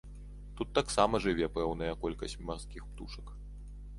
Тут таксама жыве пэўная колькасць марскіх птушак.